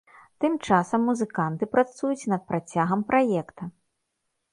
Тым часам музыканты працуюць над працягам праекта.